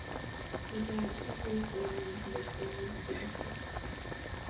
He died three years later, when he was barely forty-six.